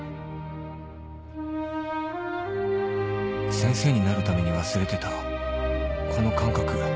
先生になるために忘れてたこの感覚